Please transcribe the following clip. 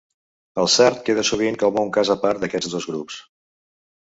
El sard queda sovint com a cas a part d'aquests dos grups.